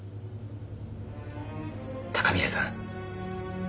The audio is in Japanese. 高宮さん。